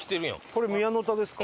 これ宮の田ですか？